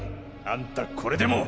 あんたこれでも！